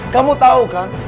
kamu tau kan